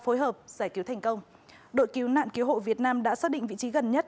phối hợp giải cứu thành công đội cứu nạn cứu hộ việt nam đã xác định vị trí gần nhất